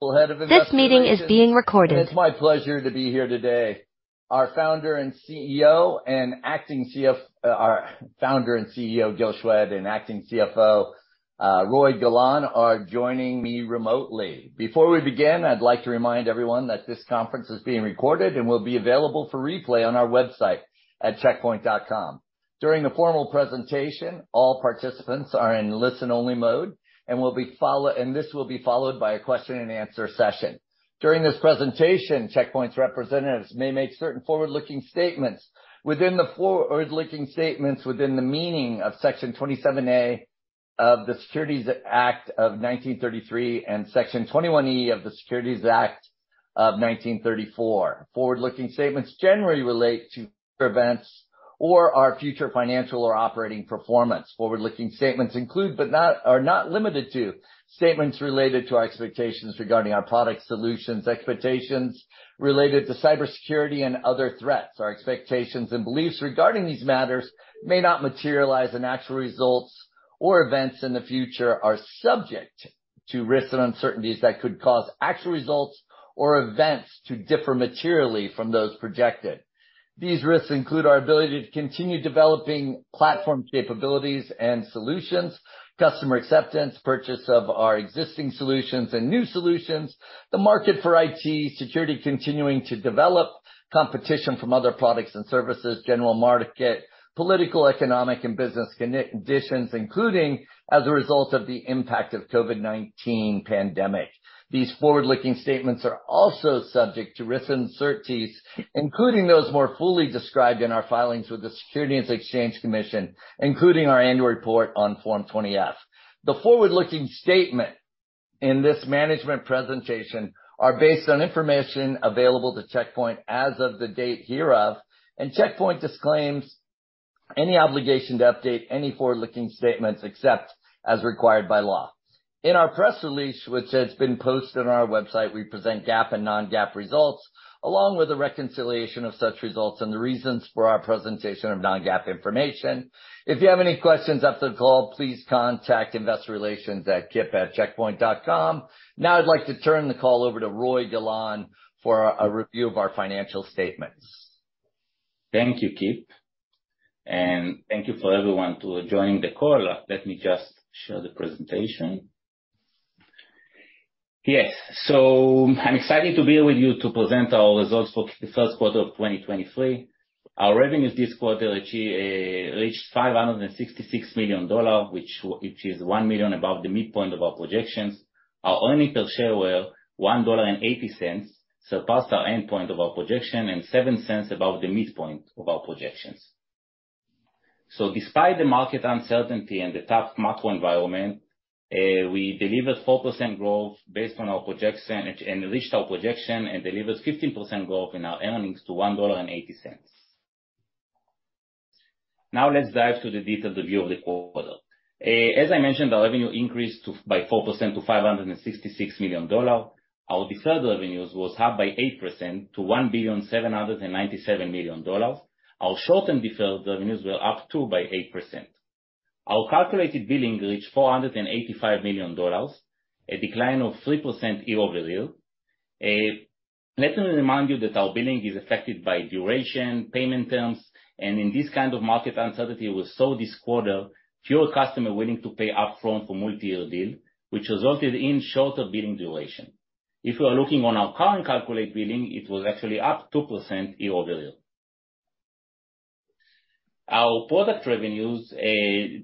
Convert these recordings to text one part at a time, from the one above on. This meeting is being recorded. It's my pleasure to be here today. Our founder and CEO, Gil Shwed, and acting CFO, Roei Golan, are joining me remotely. Before we begin, I'd like to remind everyone that this conference is being recorded and will be available for replay on our website at checkpoint.com. During the formal presentation, all participants are in listen-only mode. This will be followed by a question-and-answer session. During this presentation, Check Point's representatives may make certain forward-looking statements within the meaning of Section 27A of the Securities Act of 1933, and Section 21E of the Securities Exchange Act of 1934. Forward-looking statements generally relate to future events or our future financial or operating performance. Forward-looking statements include, are not limited to, statements related to our expectations regarding our product solutions, expectations related to cybersecurity and other threats. Our expectations and beliefs regarding these matters may not materialize, and actual results or events in the future are subject to risks and uncertainties that could cause actual results or events to differ materially from those projected. These risks include our ability to continue developing platform capabilities and solutions, customer acceptance, purchase of our existing solutions and new solutions, the market for IT, security continuing to develop, competition from other products and services, general market, political, economic, and business conditions, including as a result of the impact of COVID-19 pandemic. These forward-looking statements are also subject to risks and uncertainties, including those more fully described in our filings with the Securities and Exchange Commission, including our annual report on Form 20-F. The forward-looking statement in this management presentation are based on information available to Check Point as of the date hereof. Check Point disclaims any obligation to update any forward-looking statements, except as required by law. In our press release, which has been posted on our website, we present GAAP and non-GAAP results, along with a reconciliation of such results and the reasons for our presentation of non-GAAP information. If you have any questions after the call, please contact investor relations at kip@checkpoint.com. I'd like to turn the call over to Roei Golan for a review of our financial statements. Thank you, Kip, thank you for everyone to joining the call. Let me just share the presentation. Yes. I'm excited to be with you to present our results for the first quarter of 2023. Our revenues this quarter reached $566 million, which is $1 million above the midpoint of our projections. Our earnings per share were $1.80, surpassed our endpoint of our projection, and $0.07 above the midpoint of our projections. Despite the market uncertainty and the tough macro environment, we delivered 4% growth based on our projection and reached our projection and delivered 15% growth in our earnings to $1.80. Now let's dive to the detailed review of the quarter. As I mentioned, our revenue increased to, by 4% to $566 million. Our deferred revenues was up by 8% to $1.797 billion. Our short-term deferred revenues were up too by 8%. Our calculated billing reached $485 million, a decline of 3% year-over-year. Let me remind you that our billing is affected by duration, payment terms, and in this kind of market uncertainty we saw this quarter, fewer customer willing to pay upfront for multi-year deal, which resulted in shorter billing duration. If you are looking on our current calculate billing, it was actually up 2% year-over-year. Our product revenues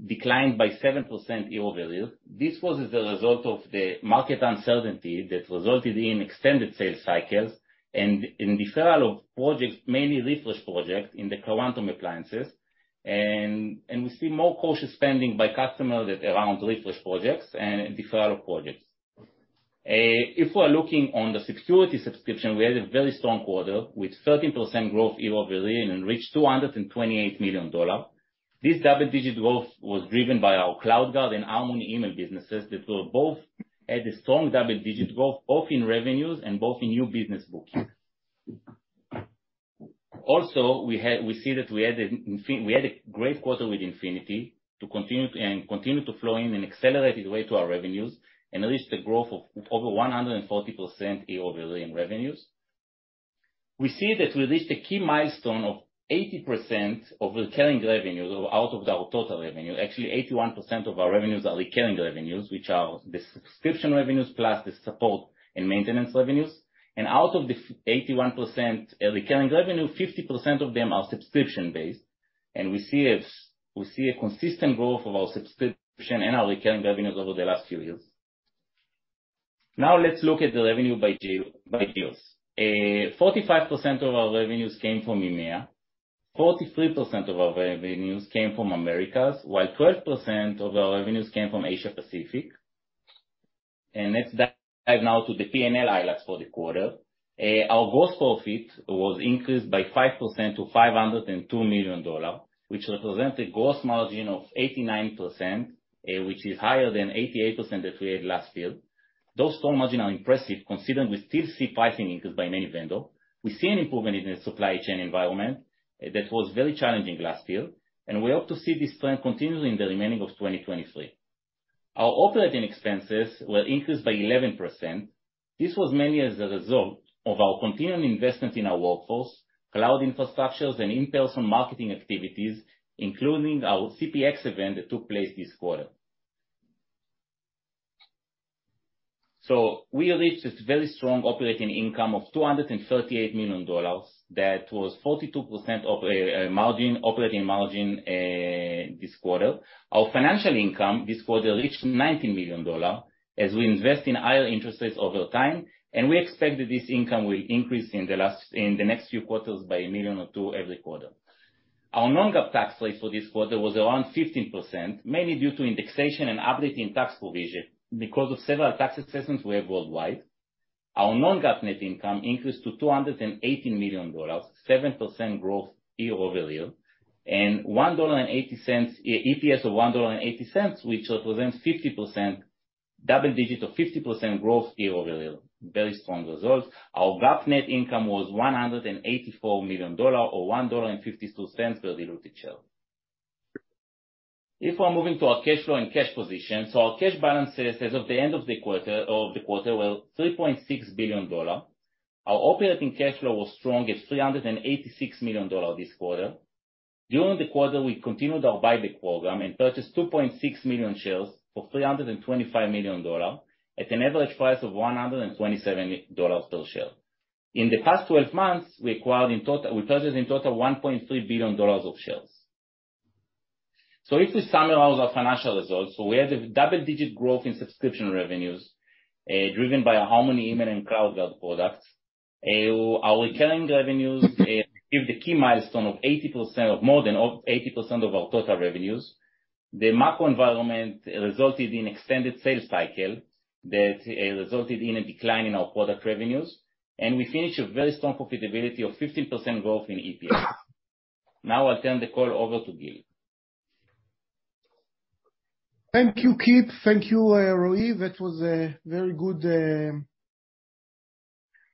declined by 7% year-over-year. This was as the result of the market uncertainty that resulted in extended sales cycles and in deferral of projects, mainly refresh projects in the Quantum Appliances. We see more cautious spending by customers at, around refresh projects and deferral projects. If we're looking on the security subscription, we had a very strong quarter with 13% growth year-over-year and reached $228 million. This double-digit growth was driven by our CloudGuard and Harmony Email businesses that were both at a strong double-digit growth, both in revenues and both in new business bookings. Also we had, we had a great quarter with Infinity to continue to flow in an accelerated way to our revenues and reached a growth of over 140% year-over-year in revenues. We see that we reached a key milestone of 80% of recurring revenues out of our total revenue. Actually, 81% of our revenues are recurring revenues, which are the subscription revenues plus the support and maintenance revenues. Out of the 81% recurring revenue, 50% of them are subscription-based, and we see a consistent growth of our subscription and our recurring revenues over the last few years. Now let's look at the revenue by geos. 45% of our revenues came from EMEA. 43% of our revenues came from Americas, while 12% of our revenues came from Asia Pacific. Let's dive now to the P&L highlights for the quarter. Our gross profit was increased by 5% to $502 million, which represent a gross margin of 89%, which is higher than 88% that we had last year. Those gross margin are impressive considering we still see pricing increase by many vendor. We see an improvement in the supply chain environment. That was very challenging last year, and we hope to see this trend continuing in the remaining of 2023. Our operating expenses were increased by 11%. This was mainly as a result of our continuing investment in our workforce, cloud infrastructures and in-person marketing activities, including our CPX event that took place this quarter. We reached this very strong operating income of $238 million. That was 42% of margin, operating margin, this quarter. Our financial income this quarter reached $90 million as we invest in higher interest rates over time. We expect that this income will increase in the next few quarters by $1 million or $2 million every quarter. Our non-GAAP tax rate for this quarter was around 15%, mainly due to indexation and updating tax provision because of several tax assessments we have worldwide. Our non-GAAP net income increased to $280 million, 7% growth year-over-year. One dollar and eighty cents, EPS of $1.80, which represents 50%, double-digit to 50% growth year-over-year. Very strong results. Our GAAP net income was $184 million or $1.52 per diluted share. If we're moving to our cash flow and cash position. Our cash balances as of the end of the quarter were $3.6 billion. Our operating cash flow was strong at $386 million this quarter. During the quarter, we continued our buyback program and purchased 2.6 million shares for $325 million at an average price of $127 per share. In the past 12 months, we purchased in total $1.3 billion of shares. If we summarize our financial results, we had a double-digit growth in subscription revenues, driven by Harmony Email and CloudGuard products. Our recurring revenues give the key milestone of more than 80% of our total revenues. The macro environment resulted in extended sales cycle that resulted in a decline in our product revenues, and we finished a very strong profitability of 15% growth in EPS. Now I'll turn the call over to Gil. Thank you, Kip. Thank you, Roei. That was a very good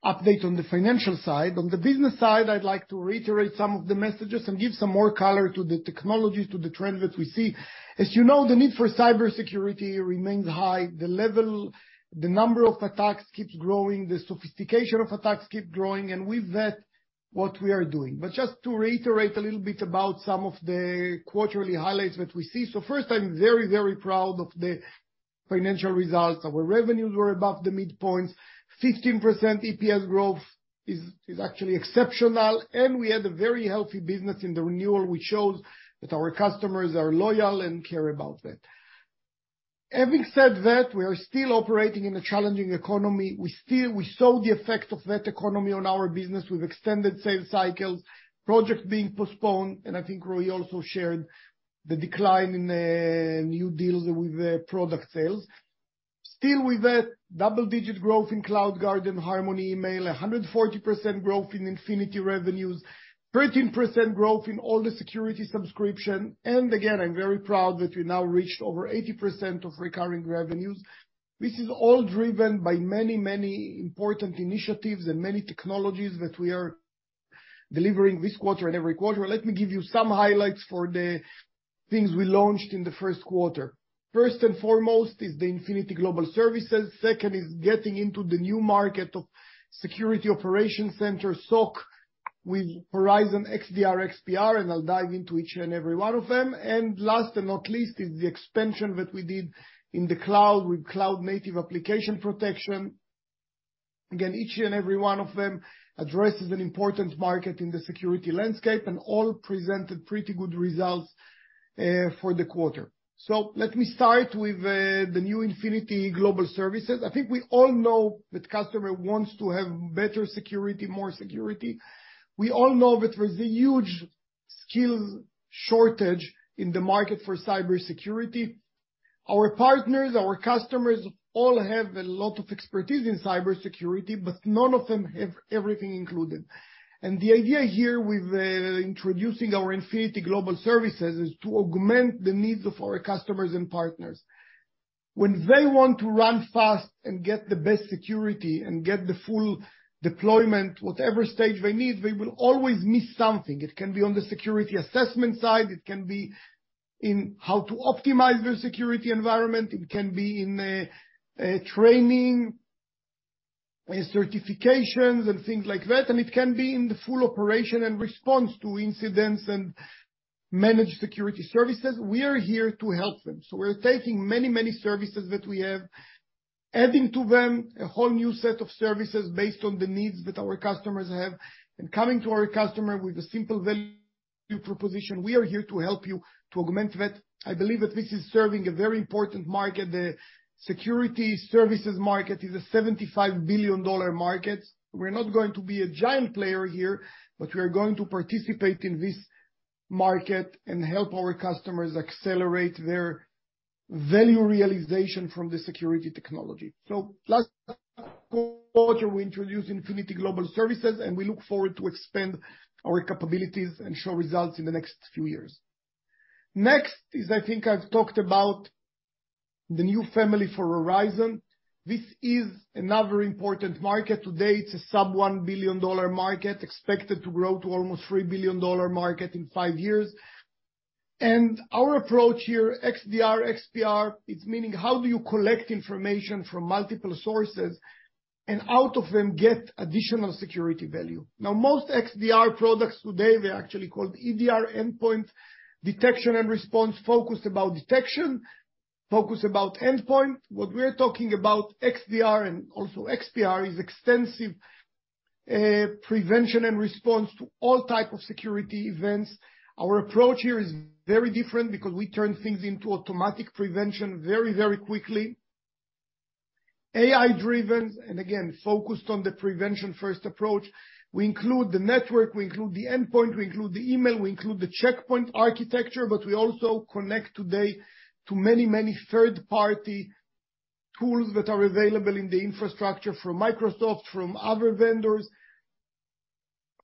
update on the financial side. On the business side, I'd like to reiterate some of the messages and give some more color to the technologies, to the trends that we see. As you know, the need for cybersecurity remains high. The number of attacks keeps growing, the sophistication of attacks keep growing, and with that what we are doing. Just to reiterate a little bit about some of the quarterly highlights that we see. First, I'm very, very proud of the financial results. Our revenues were above the midpoint. 15% EPS growth is actually exceptional, and we had a very healthy business in the renewal, which shows that our customers are loyal and care about that. Having said that, we are still operating in a challenging economy. We still... We saw the effect of that economy on our business with extended sales cycles, projects being postponed, and I think Roei also shared the decline in new deals with the product sales. Still with that, double-digit growth in CloudGuard and Harmony email, 140% growth in Infinity revenues, 13% growth in all the security subscription. Again, I'm very proud that we now reached over 80% of recurring revenues. This is all driven by many important initiatives and many technologies that we are delivering this quarter and every quarter. Let me give you some highlights for the things we launched in the first quarter. First and foremost is the Infinity Global Services. Second is getting into the new market of Security Operation Center, SOC, with Horizon XDR, XPR, and I'll dive into each and every one of them. Last but not least is the expansion that we did in the cloud with Cloud Native Application Protection. Each and every one of them addresses an important market in the security landscape, and all presented pretty good results for the quarter. Let me start with the new Infinity Global Services. I think we all know that customer wants to have better security, more security. We all know that there's a huge skill shortage in the market for cybersecurity. Our partners, our customers, all have a lot of expertise in cybersecurity, but none of them have everything included. The idea here with introducing our Infinity Global Services is to augment the needs of our customers and partners. When they want to run fast and get the best security and get the full deployment, whatever stage they need, they will always miss something. It can be on the security assessment side, it can be in how to optimize their security environment. It can be in training and certifications and things like that, and it can be in the full operation and response to incidents and managed security services. We are here to help them. We're taking many services that we have, adding to them a whole new set of services based on the needs that our customers have, and coming to our customer with a simple value proposition. We are here to help you to augment that. I believe that this is serving a very important market. The security services market is a $75 billion market. We're not going to be a giant player here, but we are going to participate in this market and help our customers accelerate their value realization from the security technology. Last quarter, we introduced Infinity Global Services, and we look forward to expand our capabilities and show results in the next few years. Next is, I think I've talked about the new family for Horizon. This is another important market. Today, it's a sub-$1 billion market, expected to grow to almost $3 billion market in 5 years. Our approach here, XDR, XPR, it's meaning how do you collect information from multiple sources and out of them get additional security value? Most XDR products today, they're actually called EDR endpoint detection and response, focused about detection, focused about endpoint. What we're talking about, XDR and also XPR, is extensive prevention and response to all type of security events. Our approach here is very different because we turn things into automatic prevention very, very quickly. AI-driven, again, focused on the prevention first approach. We include the network, we include the endpoint, we include the email, we include the Check Point architecture, but we also connect today to many, many third-party tools that are available in the infrastructure from Microsoft, from other vendors.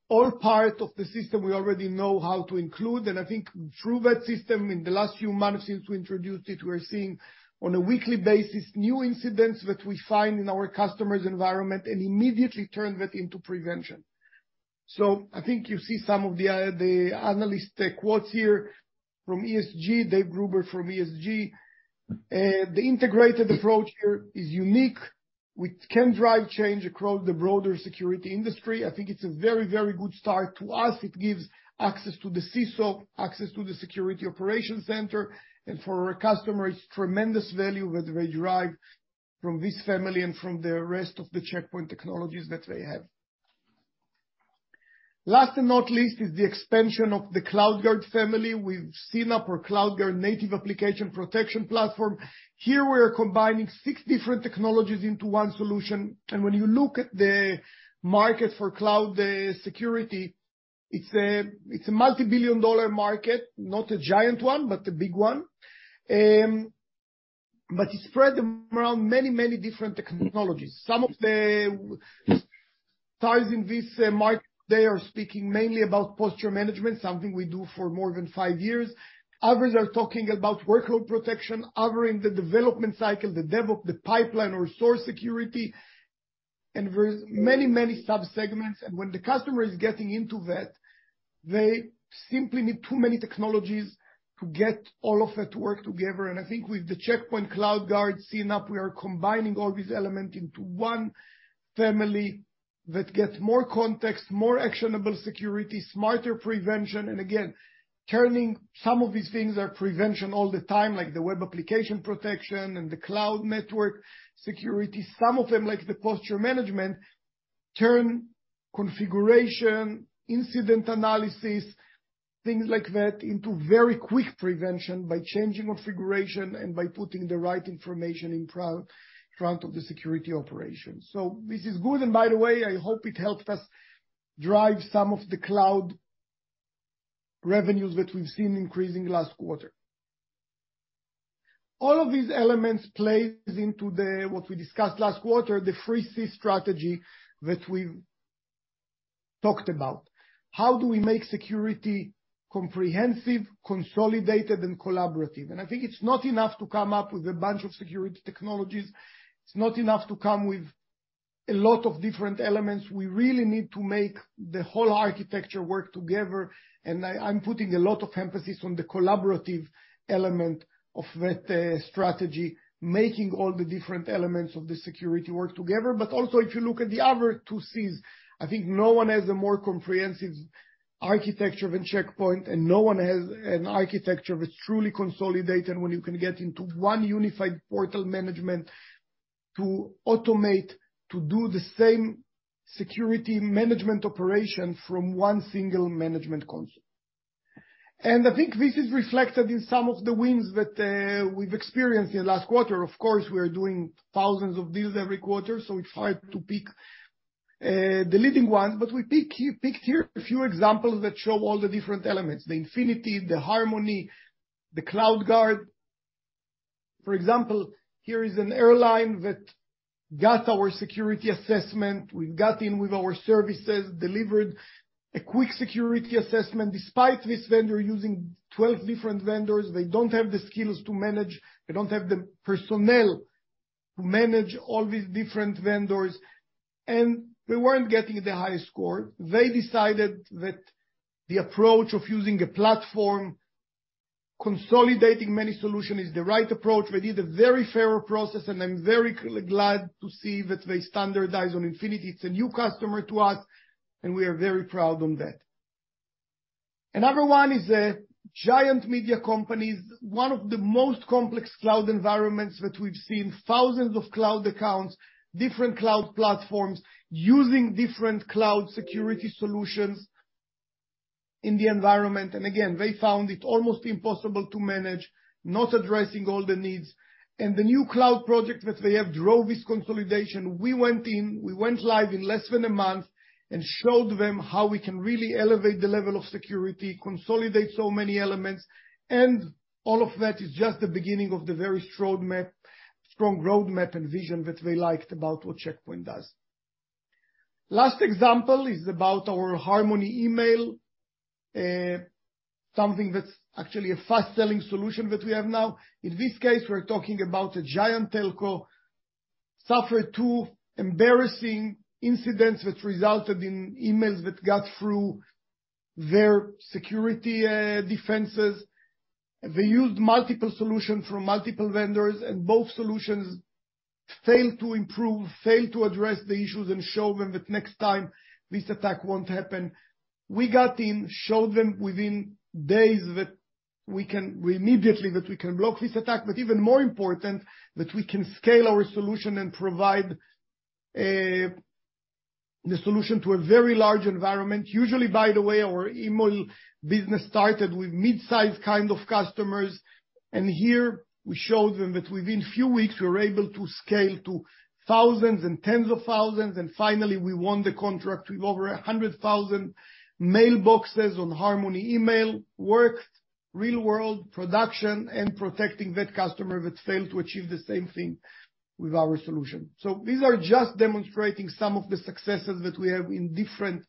All part of the system we already know how to include. I think through that system, in the last few months since we introduced it, we're seeing on a weekly basis, new incidents that we find in our customers' environment and immediately turn that into prevention. I think you see some of the analyst quotes here from ESG, Dave Gruber from ESG. The integrated approach here is unique, which can drive change across the broader security industry. I think it's a very, very good start to us. It gives access to the CISO, access to the Security Operations Center, and for our customer, it's tremendous value that they derive from this family and from the rest of the Check Point technologies that they have. Last and not least is the expansion of the CloudGuard family. We've CNAPP or CloudGuard Native Application Protection Platform. Here we are combining six different technologies into one solution. When you look at the market for cloud security, it's a multi-billion dollar market, not a giant one, but a big one. It's spread around many different technologies. Some of the ties in this market, they are speaking mainly about posture management, something we do for more than five years. Others are talking about workload protection, other in the development cycle, the DevOps, the pipeline or source security, and there's many sub-segments. When the customer is getting into that, they simply need too many technologies to get all of that to work together. I think with the Check Point CloudGuard CNAPP, we are combining all these elements into one family that gets more context, more actionable security, smarter prevention, and again, turning some of these things are prevention all the time, like the web application protection and the cloud network security. Some of them, like the posture management, turn configuration, incident analysis, things like that, into very quick prevention by changing configuration and by putting the right information in front of the security operation. This is good, and by the way, I hope it helped us drive some of the cloud revenues that we've seen increasing last quarter. All of these elements plays into the, what we discussed last quarter, the 3 C strategy that we talked about. How do we make security comprehensive, consolidated, and collaborative? I think it's not enough to come up with a bunch of security technologies. It's not enough to come with a lot of different elements. We really need to make the whole architecture work together, and I'm putting a lot of emphasis on the collaborative element of that strategy, making all the different elements of the security work together. Also, if you look at the other two C's, I think no one has a more comprehensive architecture than Check Point, and no one has an architecture that's truly consolidated when you can get into one unified portal management to automate, to do the same security management operation from one single management console. I think this is reflected in some of the wins that we've experienced in the last quarter. Of course, we're doing thousands of deals every quarter, it's hard to pick the leading one. We picked here a few examples that show all the different elements, the Infinity, the Harmony, the CloudGuard. For example, here is an airline that got our security assessment. We got in with our services, delivered a quick security assessment. Despite this vendor using 12 different vendors, they don't have the skills to manage, they don't have the personnel to manage all these different vendors, and they weren't getting the highest score. They decided that the approach of using a platform, consolidating many solution, is the right approach. They did a very fair process, and I'm very glad to see that they standardized on Infinity. It's a new customer to us, and we are very proud on that. Another one is a giant media company, one of the most complex cloud environments that we've seen, thousands of cloud accounts, different cloud platforms, using different cloud security solutions in the environment. Again, they found it almost impossible to manage, not addressing all the needs. The new cloud project that they have drove this consolidation. We went in, we went live in less than a month and showed them how we can really elevate the level of security, consolidate so many elements. All of that is just the beginning of the very strong roadmap and vision that they liked about what Check Point does. Last example is about our Harmony Email, something that's actually a fast-selling solution that we have now. In this case, we're talking about a giant telco, suffered 2 embarrassing incidents which resulted in emails that got through their security defenses. They used multiple solutions from multiple vendors. Both solutions failed to improve, failed to address the issues and show them that next time this attack won't happen. We got in, showed them within days that we can immediately block this attack. Even more important, that we can scale our solution and provide the solution to a very large environment. Usually, by the way, our email business started with midsize kind of customers. Here we showed them that within few weeks, we were able to scale to thousands and tens of thousands. Finally, we won the contract with over 100,000 mailboxes on Harmony Email. Works, real world production and protecting that customer that failed to achieve the same thing with our solution. These are just demonstrating some of the successes that we have in different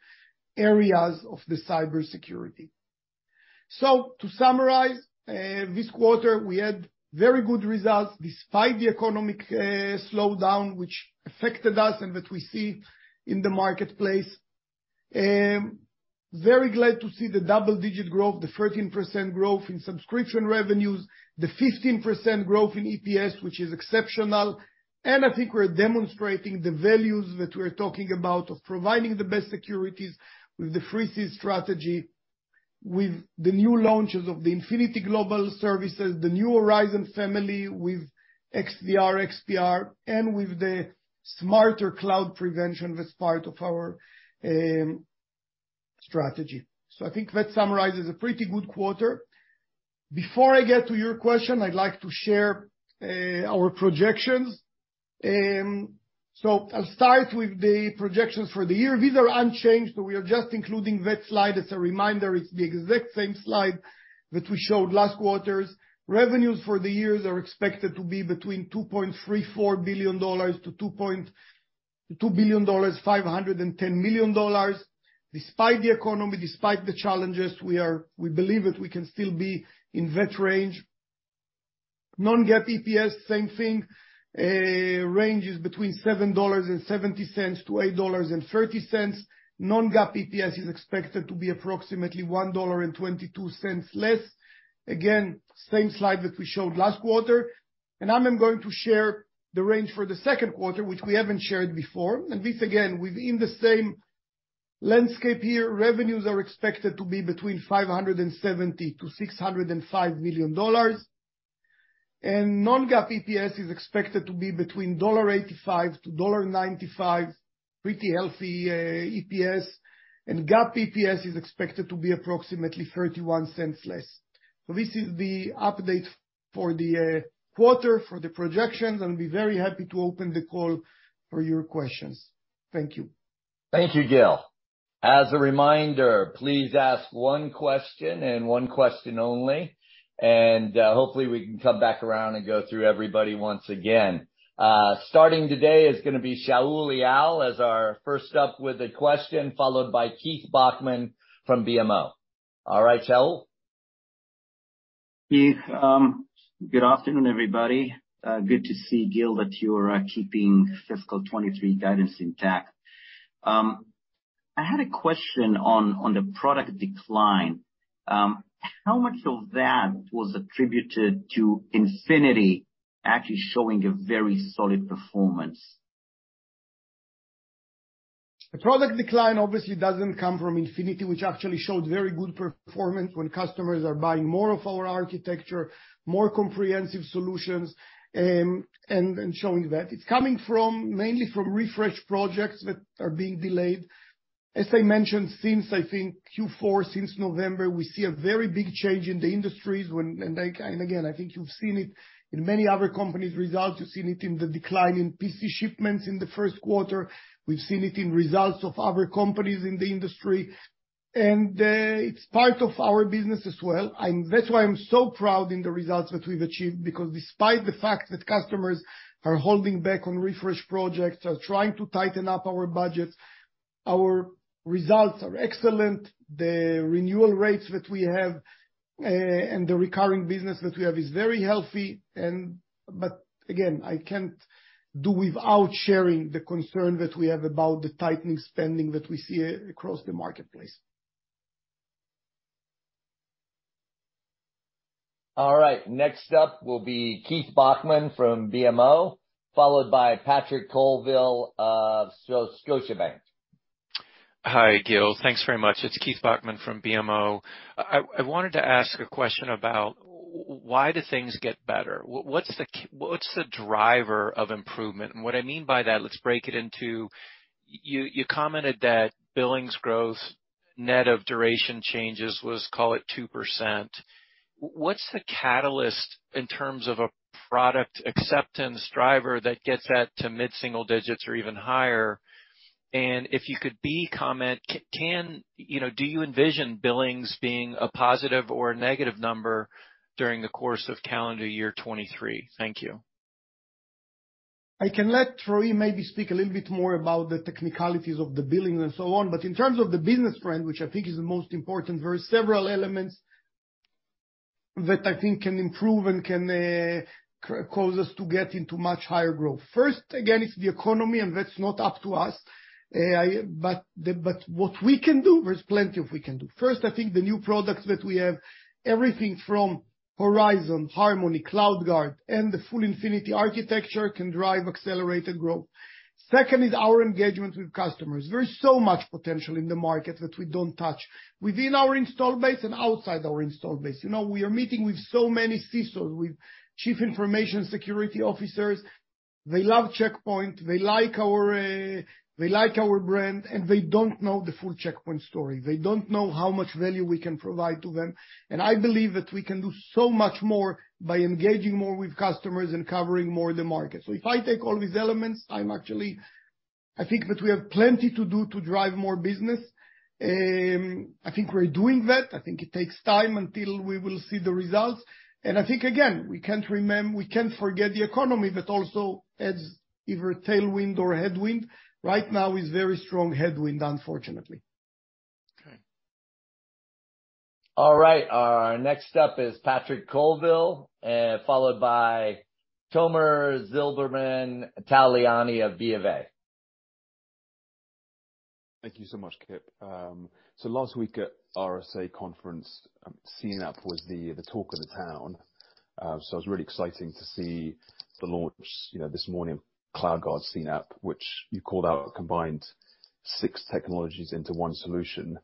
areas of the cybersecurity. To summarize, this quarter, we had very good results despite the economic slowdown which affected us and that we see in the marketplace. Very glad to see the double digit growth, the 13% growth in subscription revenues, the 15% growth in EPS, which is exceptional. I think we're demonstrating the values that we're talking about of providing the best securities with the three C strategy, with the new launches of the Infinity Global Services, the New Horizon family with XDR, XPR, and with the smarter cloud prevention that's part of our strategy. I think that summarizes a pretty good quarter. Before I get to your question, I'd like to share our projections. I'll start with the projections for the year. These are unchanged, so we are just including that slide as a reminder. It's the exact same slide that we showed last quarters. Revenues for the years are expected to be between $2.34 billion to $2.51 billion. Despite the economy, despite the challenges, we believe that we can still be in that range. Non-GAAP EPS, same thing, ranges between $7.70 to $8.30. Non-GAAP EPS is expected to be approximately $1.22 less. Again, same slide that we showed last quarter. Now I'm going to share the range for the second quarter, which we haven't shared before. This, again, within the same landscape here, revenues are expected to be between $570 million to $605 million. non-GAAP EPS is expected to be between $1.85-$1.95, pretty healthy EPS. GAAP EPS is expected to be approximately $0.31 less. This is the update for the quarter, for the projections, and I'll be very happy to open the call for your questions. Thank you. Thank you, Gil. As a reminder, please ask one question and one question only. Hopefully we can come back around and go through everybody once again. Starting today is gonna be Shaul Eyal as our first up with a question, followed by Keith Bachman from BMO. All right, Shaul. Thanks, good afternoon, everybody. Good to see Gil, that you're keeping fiscal 23 guidance intact. I had a question on the product decline. How much of that was attributed to Infinity actually showing a very solid performance? The product decline obviously doesn't come from Infinity, which actually showed very good performance when customers are buying more of our architecture, more comprehensive solutions, and showing that. It's coming from, mainly from refresh projects that are being delayed. As I mentioned, since I think Q4, since November, we see a very big change in the industries. Again, I think you've seen it in many other companies' results. You've seen it in the decline in PC shipments in the first quarter. We've seen it in results of other companies in the industry. It's part of our business as well. That's why I'm so proud in the results that we've achieved, because despite the fact that customers are holding back on refresh projects, are trying to tighten up our budgets, our results are excellent. The renewal rates that we have, and the recurring business that we have is very healthy. But again, I can't do without sharing the concern that we have about the tightening spending that we see across the marketplace. All right. Next up will be Keith Bachman from BMO, followed by Patrick Colville of Scotiabank. Hi, Gil. Thanks very much. It's Keith Bachman from BMO. I wanted to ask a question about why do things get better? What's the driver of improvement? What I mean by that, let's break it into, you commented that billings growth net of duration changes was, call it 2%. What's the catalyst in terms of a product acceptance driver that gets that to mid-single digits or even higher? If you could B, comment. You know, do you envision billings being a positive or a negative number during the course of calendar year 2023? Thank you. I can let Troy maybe speak a little bit more about the technicalities of the billing and so on, in terms of the business trend, which I think is the most important, there are several elements that I think can improve and can cause us to get into much higher growth. First, again, it's the economy, that's not up to us. What we can do, there's plenty of we can do. First, I think the new products that we have, everything from Horizon, Harmony, CloudGuard, the full Infinity architecture can drive accelerated growth. Second is our engagement with customers. There is so much potential in the market that we don't touch within our install base and outside our install base. You know, we are meeting with so many CISOs, with chief information security officers. They love Check Point, they like our, they like our brand, they don't know the full Check Point story. They don't know how much value we can provide to them. I believe that we can do so much more by engaging more with customers and covering more of the market. If I take all these elements, I actually think that we have plenty to do to drive more business. I think we're doing that. I think it takes time until we will see the results. I think, again, we can't forget the economy that also adds either a tailwind or a headwind. Right now, it's very strong headwind, unfortunately. Okay. All right. Our next up is Patrick Colville, followed by Tomer Zilber, Tal Liani of BofA. Thank you so much, Kip. Last week at RSA Conference, CNAPP was the talk of the town. I was really exciting to see the launch, you know, this morning, CloudGuard CNAPP, which you called out combined six technologies into one solution.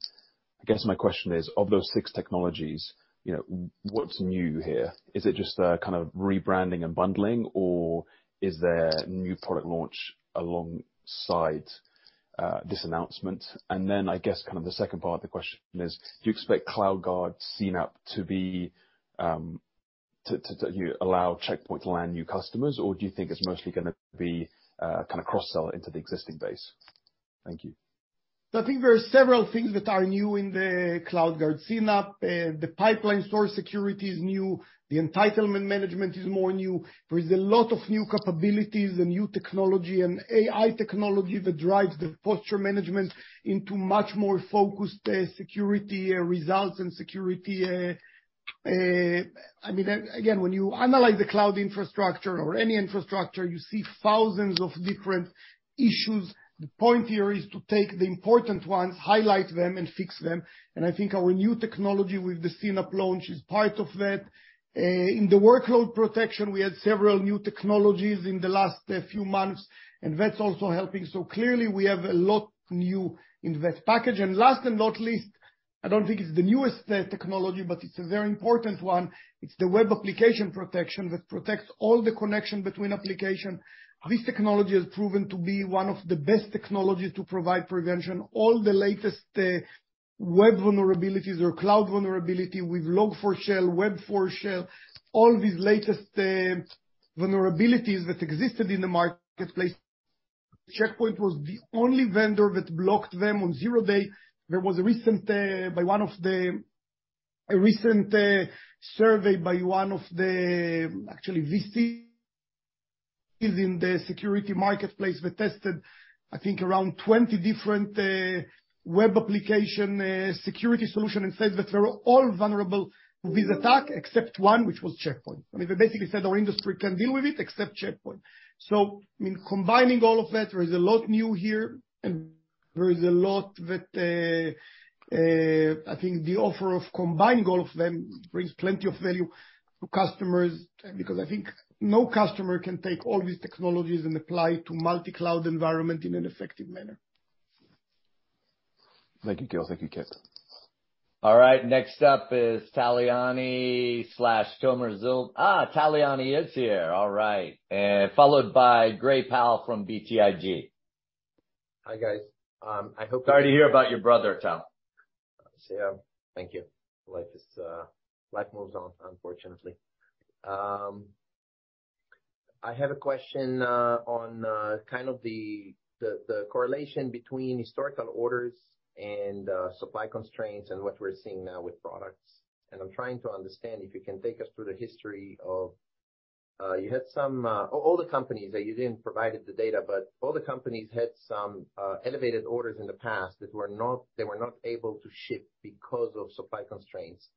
I guess my question is, of those six technologies, you know, what's new here? Is it just a kind of rebranding and bundling, or is there new product launch alongside this announcement? Then I guess kind of the second part of the question is, do you expect CloudGuard CNAPP to be to allow Check Point to land new customers, or do you think it's mostly gonna be kinda cross-sell into the existing base? Thank you. I think there are several things that are new in the CloudGuard CNAPP. The pipeline source security is new, the entitlement management is more new. There is a lot of new capabilities and new technology and AI technology that drives the posture management into much more focused security results and security. I mean, again, when you analyze the cloud infrastructure or any infrastructure, you see thousands of different issues. The point here is to take the important ones, highlight them, and fix them. I think our new technology with the CNAPP launch is part of that. In the workload protection, we had several new technologies in the last few months, and that's also helping. Clearly we have a lot new in that package. Last and not least, I don't think it's the newest technology, but it's a very important one. It's the web application protection that protects all the connection between application. This technology has proven to be one of the best technologies to provide prevention. All the latest web vulnerabilities or cloud vulnerability with Log4Shell, Spring4Shell, all these latest vulnerabilities that existed in the marketplace, Check Point was the only vendor that blocked them on zero day. There was a recent survey by one of the, actually VC within the security marketplace that tested, I think around 20 different web application security solution and said that they're all vulnerable with attack except one, which was Check Point. I mean, they basically said our industry can't deal with it except Check Point. I mean, combining all of that, there is a lot new here, and there is a lot that, I think the offer of combining all of them brings plenty of value to customers, because I think no customer can take all these technologies and apply to multi-cloud environment in an effective manner. Thank you, Gil. Thank you, Kip. All right, next up is Tal Liani. Tal Liani is here. All right. Followed by Gray Powell from BTIG. Hi, guys. Sorry to hear about your brother, Tal. Yeah. Thank you. Life is... Life moves on, unfortunately. I have a question on kind of the correlation between historical orders and supply constraints and what we're seeing now with products. I'm trying to understand, if you can take us through the history of, you had some... All the companies, you didn't provided the data, but all the companies had some elevated orders in the past that were not able to ship because of supply constraints.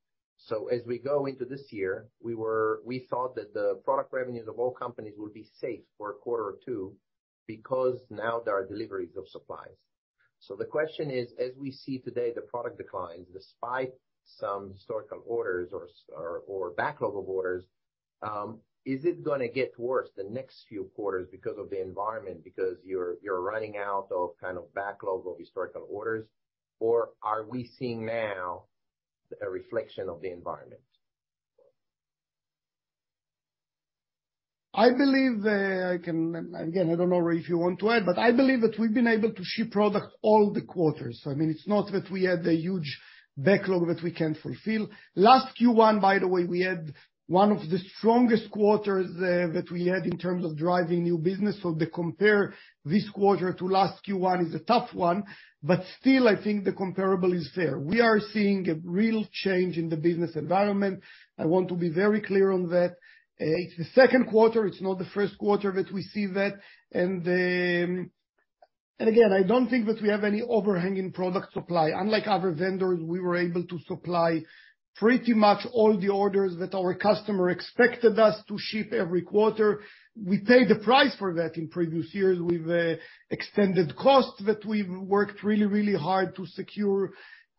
As we go into this year, we thought that the product revenues of all companies will be safe for a quarter or two because now there are deliveries of supplies. The question is, as we see today, the product declines, despite some historical orders or backlog of orders, is it gonna get worse the next few quarters because of the environment, because you're running out of kind of backlog of historical orders? Or are we seeing now a reflection of the environment? I believe, I can again, I don't know, Rafi, if you want to add, but I believe that we've been able to ship product all the quarters. I mean, it's not that we had a huge backlog that we can't fulfill. Last Q1, by the way, we had one of the strongest quarters that we had in terms of driving new business. To compare this quarter to last Q1 is a tough one, but still, I think the comparable is fair. We are seeing a real change in the business environment. I want to be very clear on that. It's the second quarter, it's not the first quarter that we see that. Again, I don't think that we have any overhanging product supply. Unlike other vendors, we were able to supply pretty much all the orders that our customer expected us to ship every quarter. We paid the price for that in previous years with extended costs, that we worked really, really hard to secure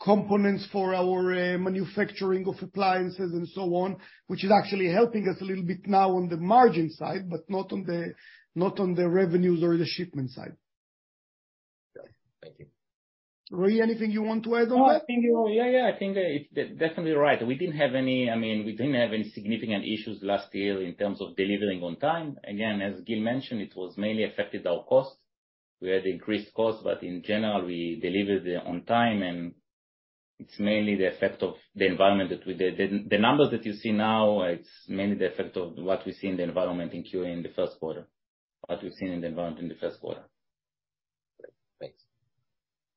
components for our manufacturing of appliances and so on, which is actually helping us a little bit now on the margin side, but not on the revenues or the shipment side. Okay. Thank you. Rui, anything you want to add on that? No, I think, yeah, I think it's definitely right. We didn't have any, I mean, we didn't have any significant issues last year in terms of delivering on time. Again, as Gil mentioned, it was mainly affected our cost. We had increased costs, but in general, we delivered it on time, and it's mainly the effect of the environment that we're. The numbers that you see now, it's mainly the effect of what we see in the environment in QA in the first quarter. What we've seen in the environment in the first quarter.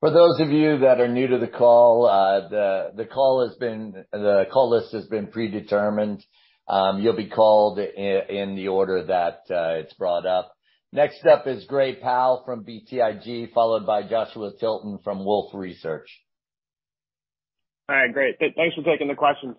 Great. Thanks. For those of you that are new to the call, the call list has been predetermined. You'll be called in the order that it's brought up. Next up is Gray Powell from BTIG, followed by Joshua Tilton from Wolfe Research. All right. Great. Thanks for taking the questions.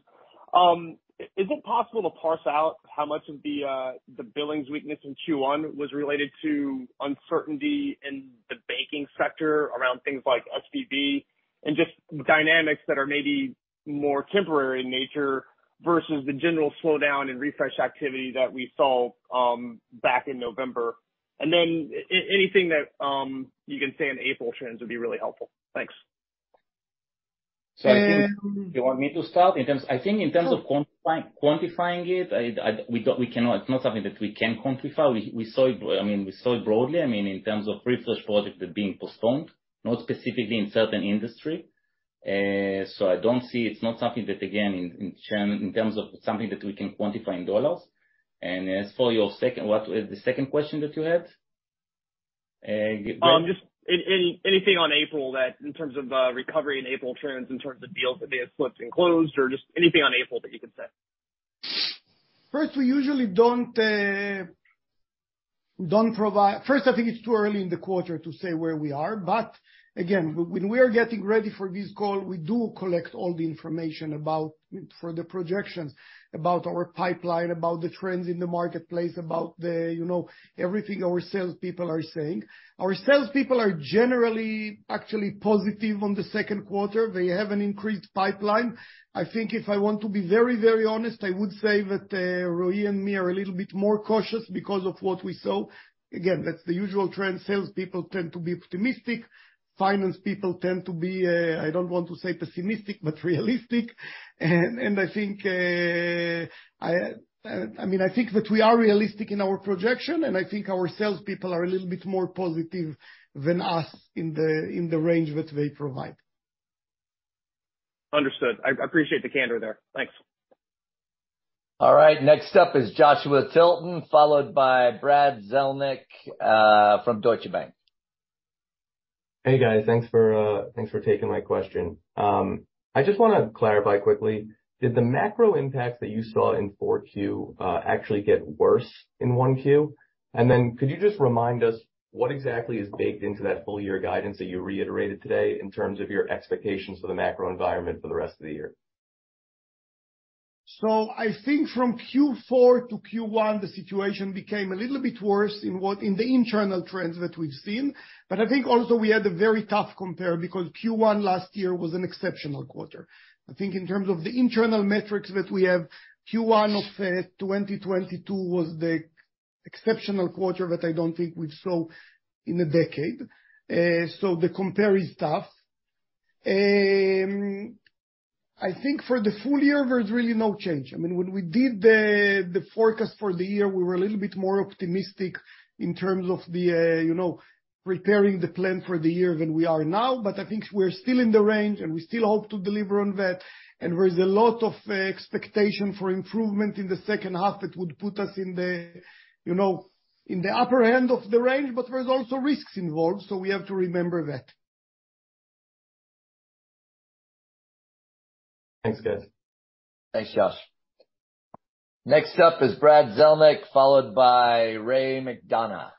Is it possible to parse out how much of the the billings weakness in Q1 was related to uncertainty in the banking sector around things like SVB and just dynamics that are maybe more temporary in nature versus the general slowdown in refresh activity that we saw back in November? Then anything that you can say on April trends would be really helpful. Thanks. So I think- Uh- Do you want me to start? I think in terms of quantifying it, I, we don't, we cannot. It's not something that we can quantify. We saw it, I mean, we saw it broadly, I mean, in terms of refresh projects that are being postponed, not specifically in certain industry. So I don't see... It's not something that, again, in terms of something that we can quantify in dollars. As for your second, what was the second question that you had? Gray? Just anything on April that, in terms of, recovery in April trends, in terms of deals that may have slipped and closed, or just anything on April that you can say? We usually don't provide... I think it's too early in the quarter to say where we are. When we are getting ready for this call, we do collect all the information about, for the projections, about our pipeline, about the trends in the marketplace, about the, you know, everything our salespeople are saying. Our salespeople are generally actually positive on the second quarter. They have an increased pipeline. I think if I want to be very, very honest, I would say that Rui and me are a little bit more cautious because of what we saw. That's the usual trend. Salespeople tend to be optimistic. Finance people tend to be, I don't want to say pessimistic, but realistic. I think, I mean, I think that we are realistic in our projection, and I think our salespeople are a little bit more positive than us in the, in the range that they provide. Understood. I appreciate the candor there. Thanks. Next up is Joshua Tilton, followed by Brad Zelnick, from Deutsche Bank. Hey, guys. Thanks for, thanks for taking my question. I just wanna clarify quickly, did the macro impacts that you saw in 4Q, actually get worse in 1Q? Then could you just remind us what exactly is baked into that full year guidance that you reiterated today in terms of your expectations for the macro environment for the rest of the year? I think from Q4 to Q1, the situation became a little bit worse in the internal trends that we've seen. I think also we had a very tough compare because Q1 last year was an exceptional quarter. I think in terms of the internal metrics that we have, Q1 of 2022 was the exceptional quarter that I don't think we saw in a decade. The compare is tough. I think for the full year, there's really no change. I mean, when we did the forecast for the year, we were a little bit more optimistic in terms of the, you know, preparing the plan for the year than we are now. I think we're still in the range, and we still hope to deliver on that. There is a lot of expectation for improvement in the second half that would put us in the, you know, in the upper end of the range, but there's also risks involved, so we have to remember that. Thanks, guys. Thanks, Josh. Next up is Brad Zelnick, followed by Ray McDonough.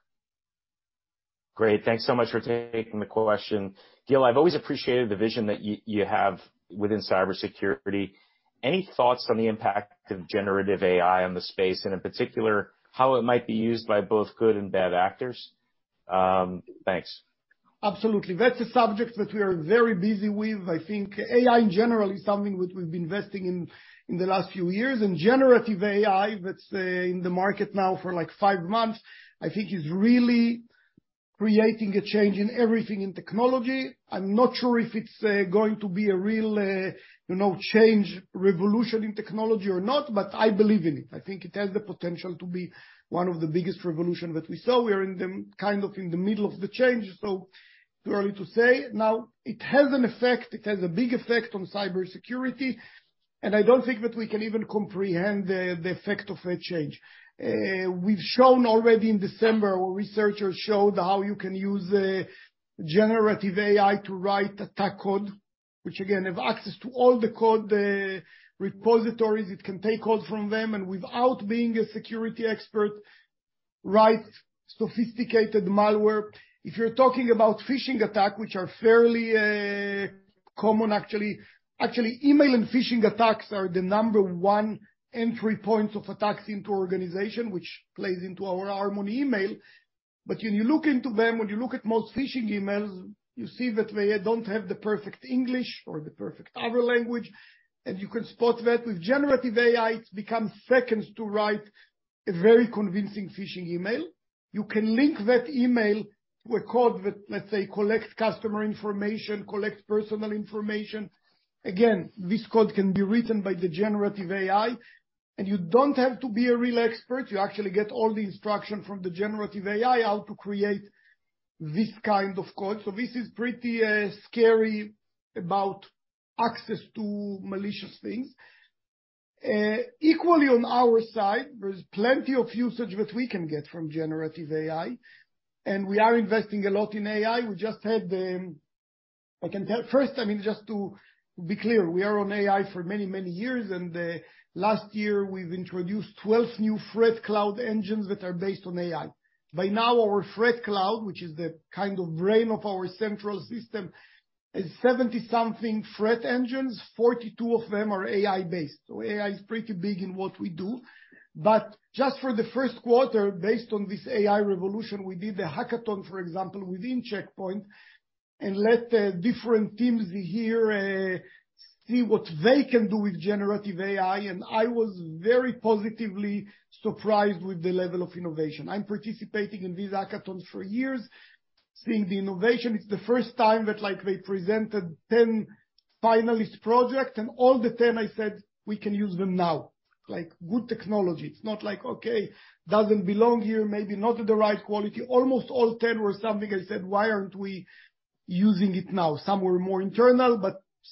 Great. Thanks so much for taking the question. Gil, I've always appreciated the vision that you have within cybersecurity. Any thoughts on the impact of generative AI on the space, and in particular, how it might be used by both good and bad actors? Thanks. Absolutely. That's a subject that we are very busy with. I think AI in general is something which we've been investing in the last few years. generative AI that's in the market now for, like, 5 months, I think is really creating a change in everything in technology. I'm not sure if it's going to be a real, you know, change, revolution in technology or not, but I believe in it. I think it has the potential to be one of the biggest revolution that we saw. We are in the, kind of in the middle of the change, so too early to say. Now, it has an effect, it has a big effect on cybersecurity, and I don't think that we can even comprehend the effect of a change. We've shown already in December, our researchers showed how you can use generative AI to write attack code. Again, have access to all the code repositories. It can take code from them and without being a security expert, write sophisticated malware. You're talking about phishing attack, which are fairly common, actually. Actually, email and phishing attacks are the number one entry points of attacks into organization, which plays into our Harmony Email. When you look into them, when you look at most phishing emails, you see that they don't have the perfect English or the perfect other language, and you can spot that. With generative AI, it becomes seconds to write a very convincing phishing email. You can link that email with code that, let's say, collects customer information, collects personal information. This code can be written by the generative AI, and you don't have to be a real expert. You actually get all the instruction from the generative AI how to create this kind of code. This is pretty scary about access to malicious things. Equally on our side, there's plenty of usage that we can get from generative AI, and we are investing a lot in AI. First, I mean, just to be clear, we are on AI for many, many years, and last year, we've introduced 12 new ThreatCloud engines that are based on AI. By now, our ThreatCloud, which is the kind of brain of our central system, is 70 something threat engines, 42 of them are AI-based. AI is pretty big in what we do. Just for the first quarter, based on this AI revolution, we did a hackathon, for example, within Check Point and let the different teams here see what they can do with generative AI, and I was very positively surprised with the level of innovation. I'm participating in these hackathons for years, seeing the innovation. It's the first time that, like, they presented 10 finalist projects, and all the 10 I said, "We can use them now." Like, good technology. It's not like, okay, doesn't belong here, maybe not at the right quality. Almost all 10 were something I said, "Why aren't we using it now?" Some were more internal,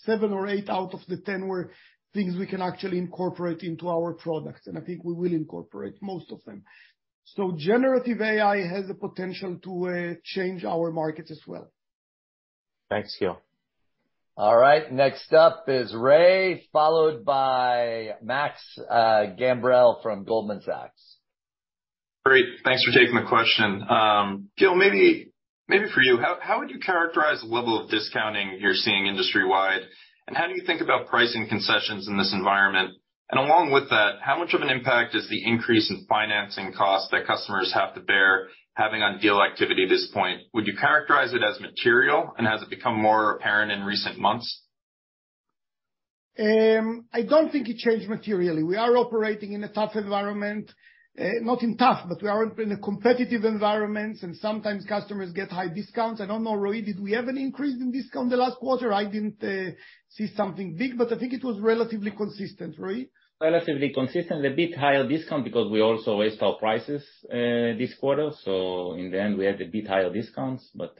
7 or 8 out of the 10 were things we can actually incorporate into our products, and I think we will incorporate most of them. Generative AI has the potential to change our markets as well. Thanks, Gil. All right, next up is Ray, followed by Max Gamperl from Goldman Sachs. Great. Thanks for taking the question. Gil, maybe for you, how would you characterize the level of discounting you're seeing industry-wide, and how do you think about pricing concessions in this environment? Along with that, how much of an impact is the increase in financing costs that customers have to bear having on deal activity at this point? Would you characterize it as material, and has it become more apparent in recent months? I don't think it changed materially. We are operating in a tough environment. Nothing tough, but we are in a competitive environment and sometimes customers get high discounts. I don't know, Roei, did we have an increase in discount the last quarter? I didn't, see something big, but I think it was relatively consistent. Roei? Relatively consistent. A bit higher discount because we also raised our prices this quarter. In the end, we had a bit higher discounts, but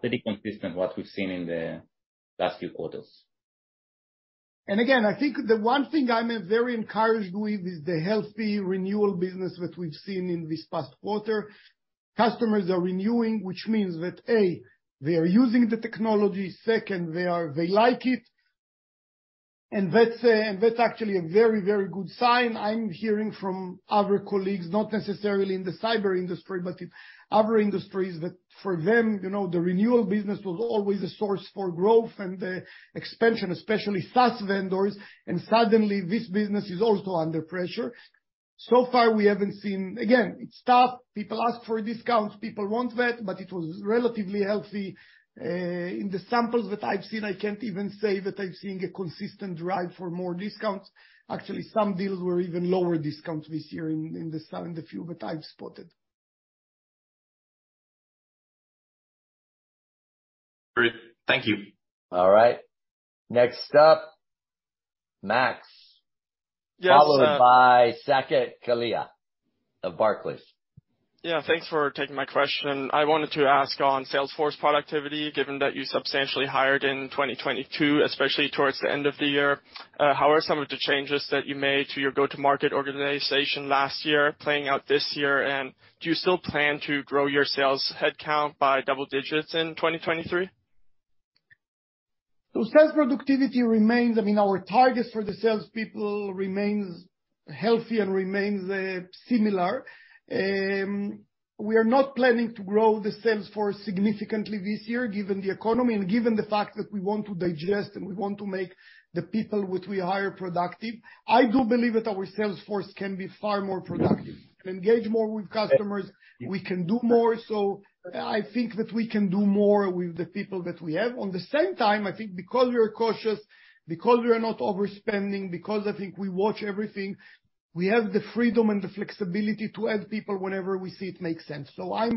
pretty consistent what we've seen in the last few quarters. Again, I think the one thing I'm very encouraged with is the healthy renewal business that we've seen in this past quarter. Customers are renewing, which means that, A, they are using the technology. Second, they like it. That's, and that's actually a very, very good sign. I'm hearing from other colleagues, not necessarily in the cyber industry, but in other industries, that for them, you know, the renewal business was always a source for growth and expansion, especially SaaS vendors, and suddenly this business is also under pressure. So far we haven't seen. Again, it's tough. People ask for discounts, people want that, but it was relatively healthy. In the samples that I've seen, I can't even say that I've seen a consistent drive for more discounts. Actually, some deals were even lower discounts this year in the few that I've spotted. Great. Thank you. All right. Next up, Max. Yes. Followed by Saket Kalia of Barclays. Yeah. Thanks for taking my question. I wanted to ask on Salesforce productivity, given that you substantially hired in 2022, especially towards the end of the year. How are some of the changes that you made to your go-to-market organization last year playing out this year, and do you still plan to grow your sales headcount by double digits in 2023? sales productivity remains, I mean, our targets for the sales people remains healthy and remains similar. We are not planning to grow the sales force significantly this year given the economy and given the fact that we want to digest and we want to make the people which we hire productive. I do believe that our sales force can be far more productive, can engage more with customers. We can do more. I think that we can do more with the people that we have. On the same time, I think because we are cautious, because we are not overspending, because I think we watch everything, we have the freedom and the flexibility to add people whenever we see it makes sense. I'm, I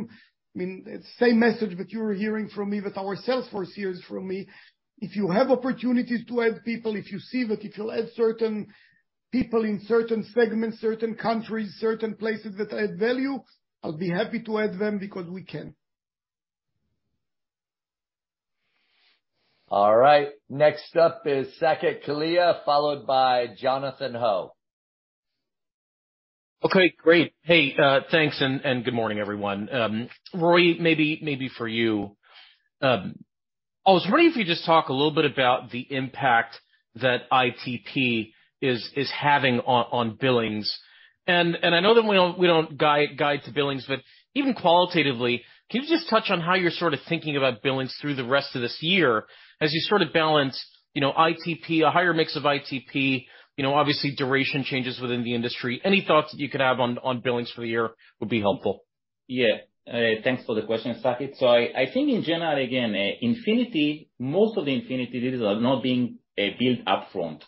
mean, same message that you are hearing from me, that our sales force hears from me. If you have opportunities to add people, if you see that if you add certain people in certain segments, certain countries, certain places that add value, I'll be happy to add them because we can. All right. Next up is Saket Kalia, followed by Jonathan Ho. Okay, great. Hey, thanks and good morning everyone. Roei, maybe for you, I was wondering if you could just talk a little bit about the impact that ITP is having on billings. I know that we don't guide to billings, but even qualitatively, can you just touch on how you're sort of thinking about billings through the rest of this year as you sort of balance, you know, ITP, a higher mix of ITP, you know, obviously duration changes within the industry. Any thoughts that you could have on billings for the year would be helpful. Yeah. Thanks for the question, Saket. I think in general, again, Infinity, most of the Infinity deals are not being billed upfront.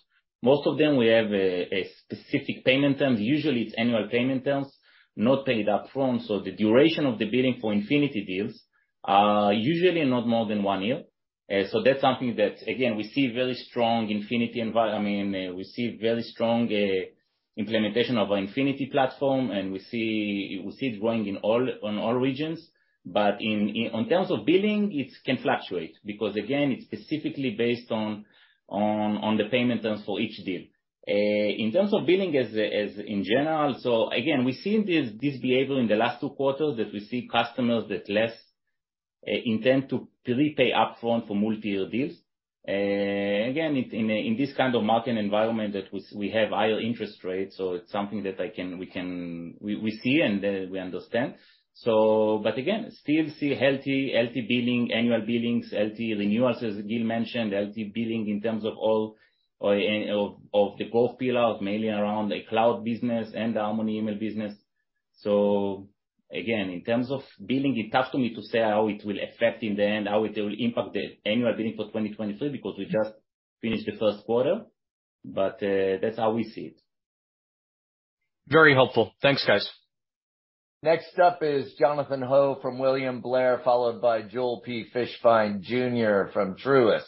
Most of them we have a specific payment terms. Usually, it's annual payment terms, not paid upfront, the duration of the billing for Infinity deals are usually not more than 1 year. That's something that, again, we see very strong Infinity. I mean, we see very strong implementation of our Infinity platform, and we see it growing on all regions. On terms of billing, it can fluctuate because, again, it's specifically based on the payment terms for each deal. In terms of billing as a, as in general, so again, we've seen this behavior in the last two quarters, that we see customers that less intend to pre-pay upfront for multi-year deals. Again, it's in a, in this kind of market environment that we have higher interest rates, so it's something that we see and we understand. Again, still see healthy billing, annual billings, healthy renewals, as Gil mentioned, healthy billing in terms of all of the growth pillars, mainly around the cloud business and the Harmony email business. Again, in terms of billing, it's tough for me to say how it will affect in the end, how it will impact the annual billing for 2023, because we just finished the first quarter. That's how we see it. Very helpful. Thanks, guys. Next up is Jonathan Ho from William Blair, followed by Roeil P. Fishbein Jr. from Truist.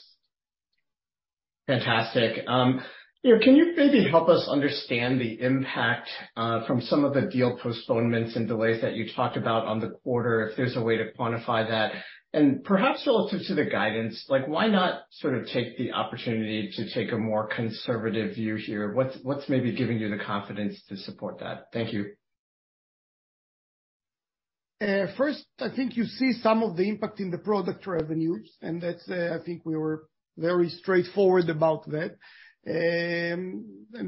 Fantastic. You know, can you maybe help us understand the impact, from some of the deal postponements and delays that you talked about on the quarter, if there's a way to quantify that? Perhaps also to the guidance, like why not sort of take the opportunity to take a more conservative view here? What's maybe giving you the confidence to support that? Thank you. First, I think you see some of the impact in the product revenues, and that's, I think we were very straightforward about that. And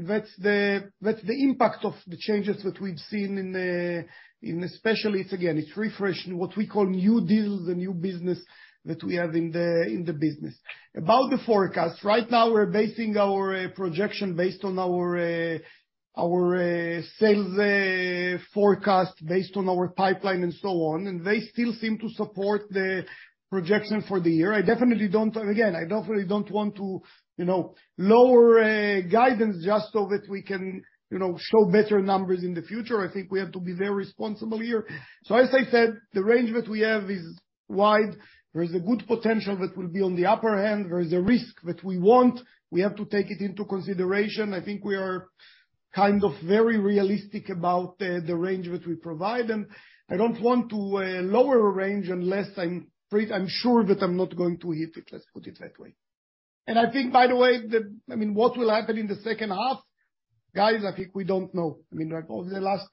that's the impact of the changes that we've seen in especially, it's again, it's refresh, what we call new deals and new business that we have in the, in the business. About the forecast, right now we're basing our projection based on our sales forecast, based on our pipeline and so on, and they still seem to support the projection for the year. Again, I definitely don't want to, you know, lower guidance just so that we can, you know, show better numbers in the future. I think we have to be very responsible here. As I said, the range that we have is wide. There is a good potential that will be on the upper hand. There is a risk that we won't. We have to take it into consideration. I think we are kind of very realistic about the range that we provide, and I don't want to lower a range unless I'm sure that I'm not going to hit it. Let's put it that way. I think, by the way, I mean, what will happen in the second half, guys, I think we don't know. I mean, like over the last...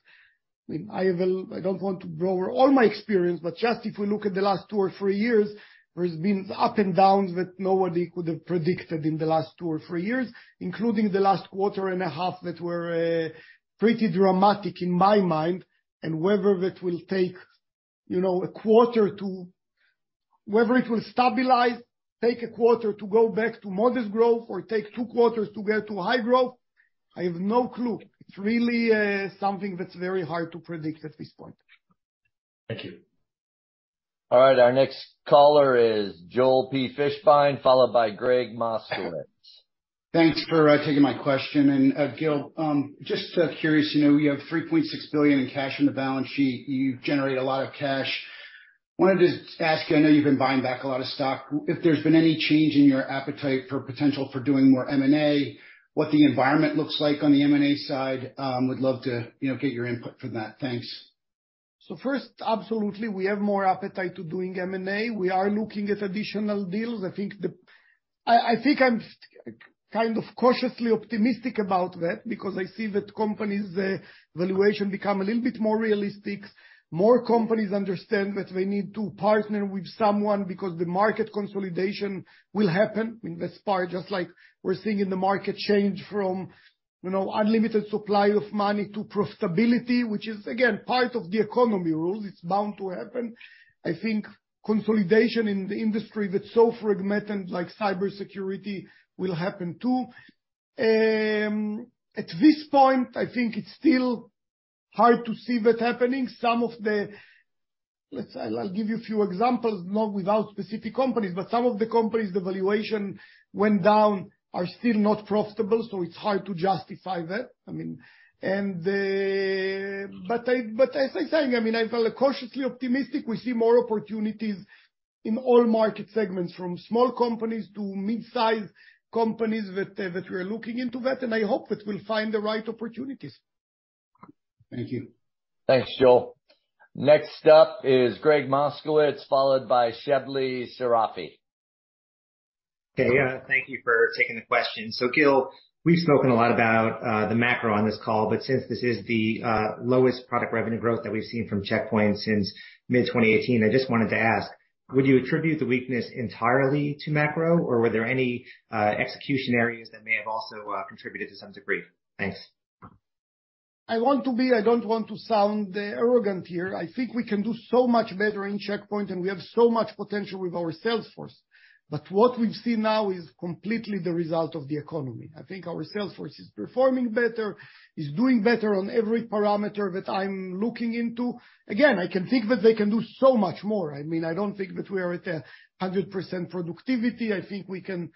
I mean, I will... I don't want to blow all my experience, but just if we look at the last two or three years, there's been up and downs that nobody could have predicted in the last two or three years, including the last quarter and a half that were pretty dramatic in my mind. Whether that will take, you know, whether it will stabilize, take a quarter to go back to modest growth or take two quarters to get to high growth, I have no clue. It's really something that's very hard to predict at this point. Thank you. All right, our next caller is Joel Fishbein, followed by Gregg Moskowitz. Thanks for taking my question. Gil, just curious, you know, you have $3.6 billion in cash on the balance sheet. You generate a lot of cash. Wanted to ask you, I know you've been buying back a lot of stock, if there's been any change in your appetite for potential for doing more M&A, what the environment looks like on the M&A side? would love to, you know, get your input for that. Thanks. First, absolutely, we have more appetite to doing M&A. We are looking at additional deals. I think I'm kind of cautiously optimistic about that, because I see that companies, valuation become a little bit more realistic. More companies understand that they need to partner with someone because the market consolidation will happen. I mean, that's part of just like we're seeing in the market change from, you know, unlimited supply of money to profitability, which is again, part of the economy rules. It's bound to happen. I think consolidation in the industry that's so fragmented, like cybersecurity, will happen too. At this point, I think it's still hard to see that happening. Let's, I'll give you a few examples, not without specific companies, but some of the companies, the valuation went down are still not profitable, so it's hard to justify that. I mean, as I saying, I mean, I feel cautiously optimistic. We see more opportunities in all market segments, from small companies to mid-size companies that we are looking into that, and I hope that we'll find the right opportunities. Thank you. Thanks, Joel. Next up is Gregg Moskowitz, followed by Shebly Seyrafi. Okay. Thank you for taking the question. Gil, we've spoken a lot about the macro on this call, but since this is the lowest product revenue growth that we've seen from Check Point since mid-2018, I just wanted to ask, would you attribute the weakness entirely to macro, or were there any execution areas that may have also contributed to some degree? Thanks. I don't want to sound arrogant here. I think we can do so much better in Check Point, and we have so much potential with our sales force. What we've seen now is completely the result of the economy. I think our sales force is performing better, is doing better on every parameter that I'm looking into. Again, I can think that they can do so much more. I mean, I don't think that we are at 100% productivity. I think we can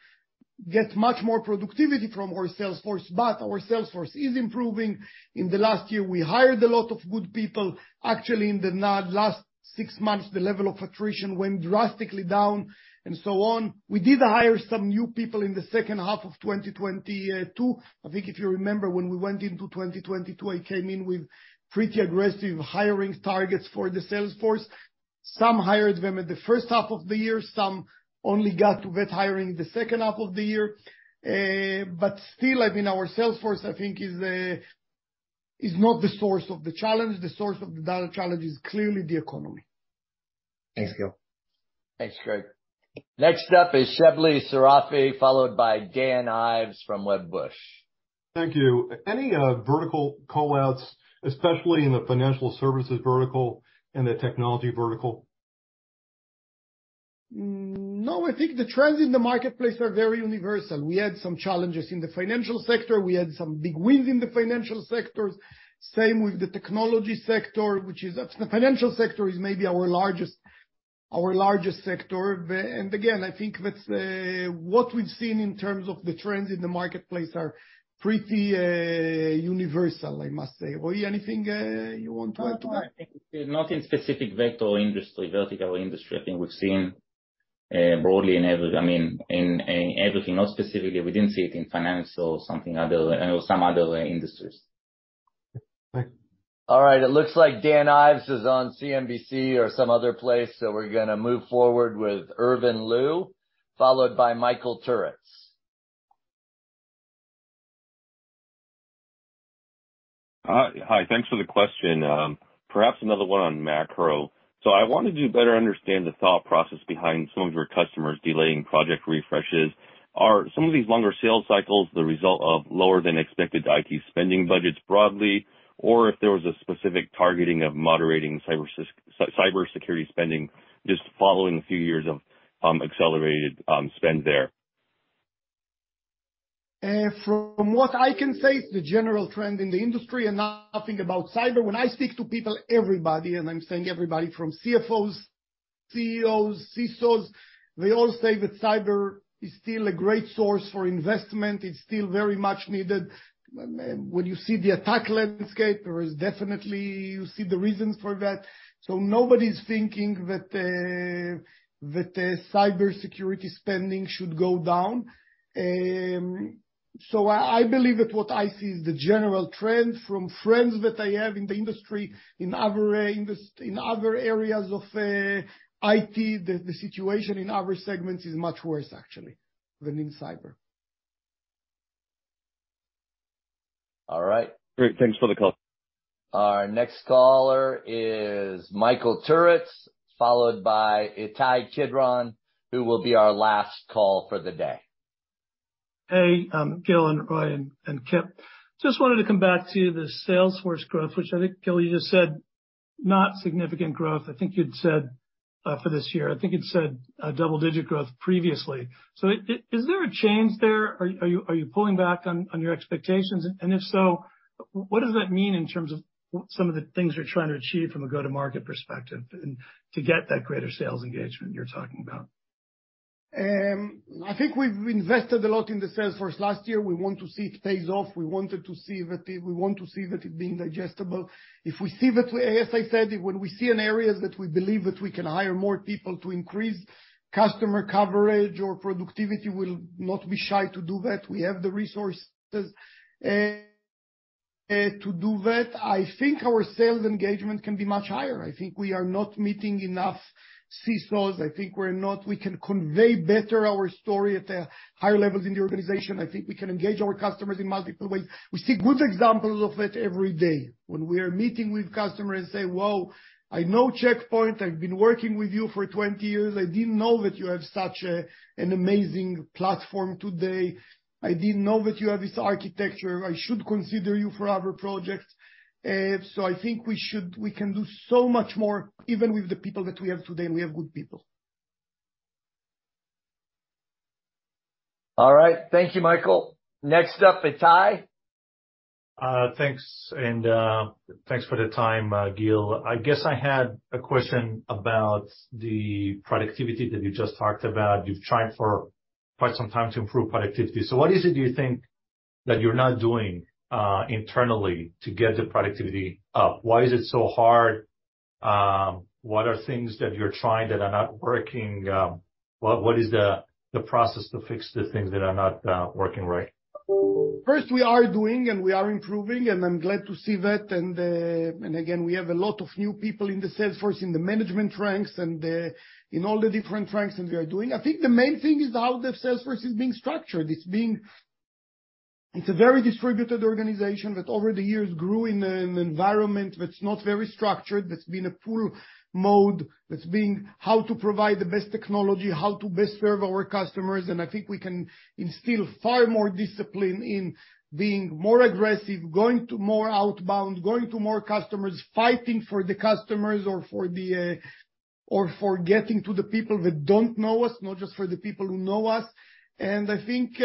get much more productivity from our sales force, but our sales force is improving. In the last year, we hired a lot of good people. Actually, in the last six months, the level of attrition went drastically down and so on. We did hire some new people in the second half of 2022. I think if you remember when we went into 2022, I came in with pretty aggressive hiring targets for the sales force. Some hired them at the first half of the year, some only got with hiring the second half of the year. Still, I mean, our sales force, I think, is not the source of the challenge. The source of the data challenge is clearly the economy. Thanks, Gil. Thanks, Gregg. Next up is Shebly Seyrafi, followed by Dan Ives from Wedbush. Thank you. Any vertical call-outs, especially in the financial services vertical and the technology vertical? I think the trends in the marketplace are very universal. We had some challenges in the financial sector. We had some big wins in the financial sectors. Same with the technology sector. The financial sector is maybe our largest sector. And again, I think that's what we've seen in terms of the trends in the marketplace are pretty universal, I must say. Roei, anything you want to add to that? No, I think not in specific vector or industry, vertical industry. I think we've seen, broadly in every, I mean, in everything. Not specifically, we didn't see it in financial or something other, you know, some other industries. Thanks. All right, it looks like Dan Ives is on CNBC or some other place, so we're gonna move forward with Irvin Liu, followed by Michael Turits. Hi. Thanks for the question. Perhaps another one on macro. I wanted to better understand the thought process behind some of your customers delaying project refreshes. Are some of these longer sales cycles the result of lower than expected IT spending budgets broadly or if there was a specific targeting of moderating cybersecurity spending just following a few years of accelerated spend there? From what I can say, it's the general trend in the industry nothing about cyber. When I speak to people, everybody, I'm saying everybody from CFOs, CEOs, CSOs, they all say that cyber is still a great source for investment. It's still very much needed. When you see the attack landscape, there is definitely you see the reasons for that. Nobody's thinking that cybersecurity spending should go down. I believe that what I see is the general trend from friends that I have in the industry, in other areas of IT. The situation in other segments is much worse actually than in cyber. All right. Great. Thanks for the call. Our next caller is Michael Turits, followed by Ittai Kidron, who will be our last call for the day. Hey, Gil and Roei and Kip. Just wanted to come back to the sales force growth, which I think, Gil, you just said, not significant growth, I think you'd said for this year. I think you'd said a double-digit growth previously. Is there a change there? Are you pulling back on your expectations? If so, what does that mean in terms of some of the things you're trying to achieve from a go-to-market perspective and to get that greater sales engagement you're talking about? I think we've invested a lot in the sales force last year. We want to see it pays off. We want to see that it being digestible. We see that, as I said, when we see in areas that we believe that we can hire more people to increase customer coverage or productivity, we'll not be shy to do that. We have the resources to do that. I think our sales engagement can be much higher. I think we are not meeting enough CISOs. I think we're not. We can convey better our story at the higher levels in the organization. I think we can engage our customers in multiple ways. We see good examples of it every day. We are meeting with customers, they say, "Whoa, I know Check Point. I've been working with you for 20 years. I didn't know that you have such an amazing platform today. I didn't know that you have this architecture. I should consider you for other projects." I think we can do so much more even with the people that we have today, and we have good people. All right. Thank you, Michael. Next up, Ittai. Thanks, thanks for the time, Gil. I guess I had a question about the productivity that you just talked about. You've tried for quite some time to improve productivity. What is it you think that you're not doing internally to get the productivity up? Why is it so hard? What are things that you're trying that are not working? What is the process to fix the things that are not working right? First, we are doing, and we are improving, and I'm glad to see that. Again, we have a lot of new people in the sales force, in the management ranks and in all the different ranks, and we are doing. I think the main thing is how the sales force is being structured. It's a very distributed organization that over the years grew in an environment that's not very structured, that's been a pull mode, that's been how to provide the best technology, how to best serve our customers, and I think we can instill far more discipline in being more aggressive, going to more outbound, going to more customers, fighting for the customers or for the or for getting to the people that don't know us, not just for the people who know us. I think,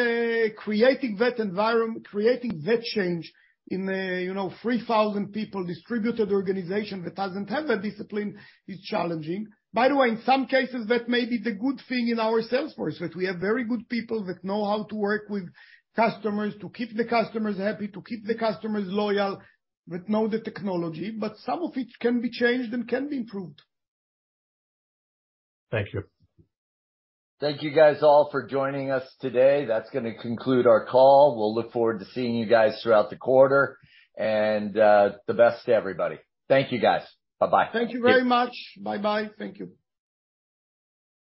creating that environment, creating that change in a, you know, 3,000 people, distributed organization that doesn't have that discipline is challenging. By the way, in some cases, that may be the good thing in our sales force, that we have very good people that know how to work with customers, to keep the customers happy, to keep the customers loyal, that know the technology, but some of it can be changed and can be improved. Thank you. Thank you guys all for joining us today. That's gonna conclude our call. We'll look forward to seeing you guys throughout the quarter. The best to everybody. Thank you, guys. Bye-bye. Thank you very much. Bye-bye. Thank you.